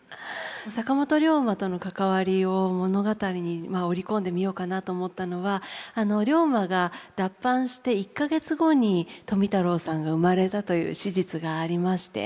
坂本龍馬との関わりを物語に織り込んでみようかなと思ったのは龍馬が脱藩して１か月後に富太郎さんが生まれたという史実がありまして。